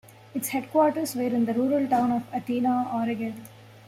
Its headquarters were in the rural town of Athena, Oregon.